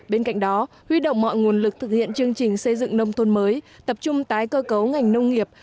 bên cạnh đó huy động mọi nguồn lực thực hiện chương trình xây dựng nông thôn mới tập trung tái cơ cấu ngành nông nghiệp